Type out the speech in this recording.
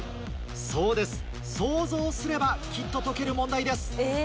そうですソウゾウすればきっと解ける問題です。